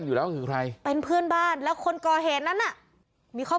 เธอบอกว่าเธอบอกว่าเธอบอกว่าเธอบอกว่าเธอบอกว่า